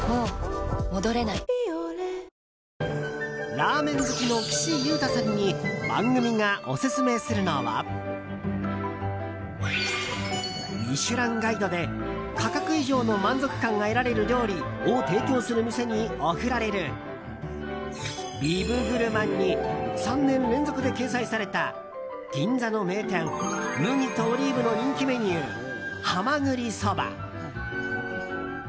ラーメン好きの岸優太さんに番組がオススメするのは「ミシュランガイド」で価格以上の満足感が得られる料理を提供する店に贈られるビブグルマンに３年連続で掲載された銀座の名店むぎとオリーブの人気メニュー蛤ＳＯＢＡ。